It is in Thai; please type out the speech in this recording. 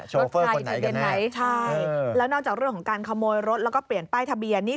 รถไฟทะเบียนไหนใช่แล้วนอกจากเรื่องของการขโมยรถแล้วก็เปลี่ยนป้ายทะเบียนนี่